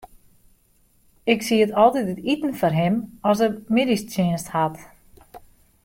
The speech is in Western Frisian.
Ik sied altyd it iten foar him as er middeistsjinst hat.